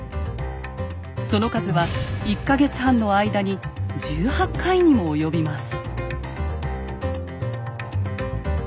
その数は１か月半の間に１８回にも及びます。